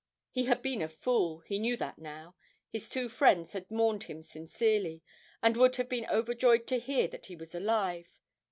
He had been a fool he knew that now his two friends had mourned him sincerely, and would have been overjoyed to hear that he was alive.